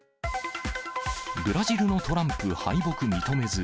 ブラジルのトランプ、敗北認めず。